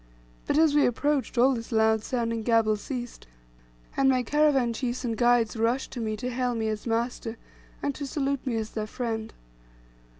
But as we approached, all this loud sounding gabble ceased, and my caravan chiefs and guides rushed to me to hail me as "master," and to salute me as their friend.